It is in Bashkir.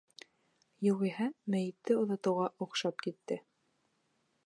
Юғиһә мәйетте оҙатыуға оҡшап китте.